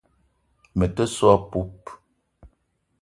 Me te so a poup.